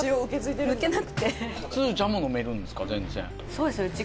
そうですねうち。